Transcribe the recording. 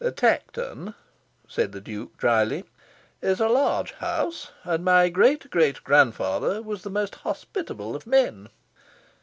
"Tankerton," said the Duke drily, "is a large house, and my great great grandfather was the most hospitable of men.